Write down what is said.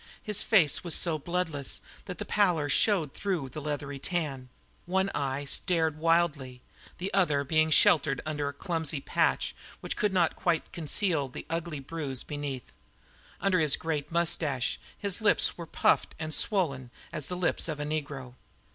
His face was so bloodless that the pallor showed even through the leathery tan; one eye stared wildly, the other being sheltered under a clumsy patch which could not quite conceal the ugly bruise beneath. Under his great moustache his lips were as puffed and swollen as the lips of a negro.